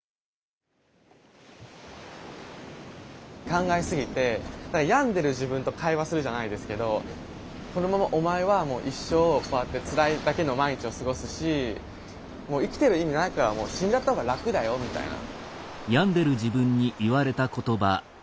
考えすぎて病んでる自分と会話するじゃないですけどこのままお前はもう一生こうやってつらいだけの毎日を過ごすし生きてる意味ないからもう死んじゃった方が楽だよみたいな。